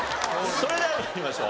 それでは参りましょう。